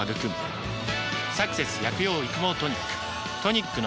「サクセス薬用育毛トニック」